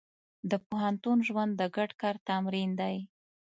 د پوهنتون ژوند د ګډ کار تمرین دی.